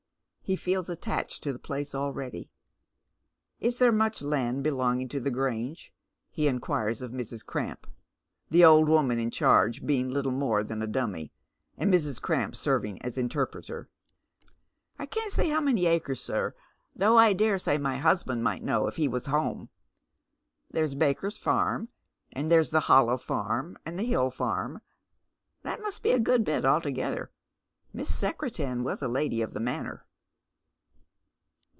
He feels attached to the place already. " Is there much land belonging to the Grange ?" he inquires of Mrs. Cramp, the old woman in charge being little more than a dummy, and Mrs. Cramp serving as interpretei ." I can't say how many acres, sir, though I dare say my hus band might kxiow if he was at home. There's Baker's farm, and there's the Hollow farm and the Hill farm — that must be a good bit altogether. Miss Secretan was lady of the manor."